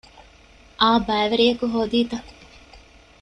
އާ ބައިވެރިއަކު ހޯދީތަ؟